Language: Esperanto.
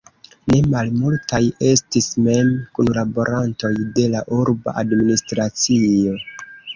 Ne malmultaj estis mem kunlaborantoj de la urba administracio.